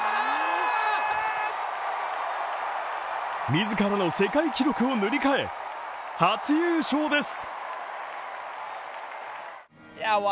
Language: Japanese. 自らの世界記録を塗り替え、初優勝です！